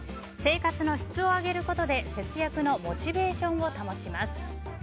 生活の質を上げることで節約のモチベーションを保ちます。